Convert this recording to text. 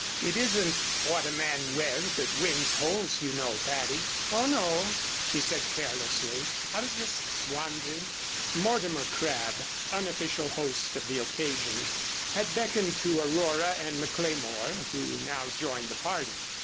"It isn't what a man wears that wins holes, you know, Patty." "Oh, no," she said, carelessly, "I was just wondering " Mortimer Crabb, unofficial host of the occasion, had beckoned to Aurora and McLemore, who now joined the party.